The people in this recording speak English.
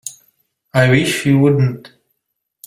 I wish you wouldn't.